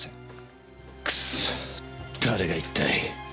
クソ誰が一体。